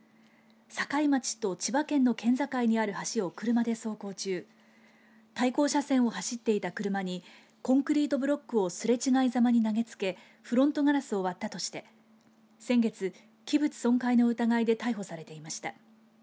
境町と千葉県の県境にある橋を車で走行中対向車線を走っていた車にコンクリートブロックをすれ違いざまに投げつけフロントガラスを割ったとして先月、器物損壊の疑いで逮捕されていました。